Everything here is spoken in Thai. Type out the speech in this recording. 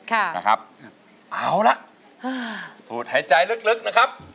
ค่ะนะครับเอาละสูดหายใจลึกนะครับ